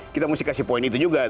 kita mesti kasih poin itu juga